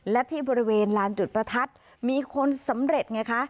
และที่บริเวณลานจุดประทัดมีคนสำเร็จไงคะ